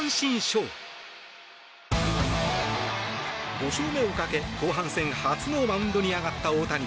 ５勝目をかけ後半戦初のマウンドに上がった大谷。